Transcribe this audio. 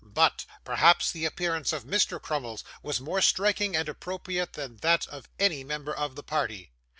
But, perhaps the appearance of Mr. Crummles was more striking and appropriate than that of any member of the party.